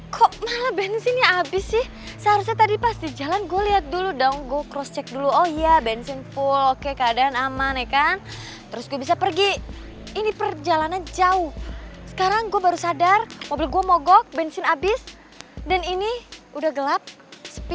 kok malah bensinnya habis sih seharusnya tadi pas di jalan gue liat dulu dong gue cross check dulu oh iya bensin full oke keadaan aman ya kan terus gue bisa pergi ini perjalanan jauh sekarang gue baru sadar mobil gue mogok bensin abis dan ini udah gelap sepi